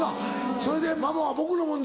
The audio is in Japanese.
それで「ママは僕のものだ」。